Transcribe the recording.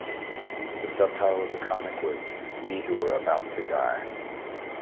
The subtitle of the comic was "We who are about to die".